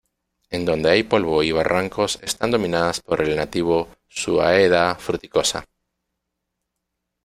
En donde hay polvo y barrancos están dominadas por el nativo "Suaeda fruticosa".